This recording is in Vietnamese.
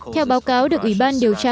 theo báo cáo được ủy ban điều tra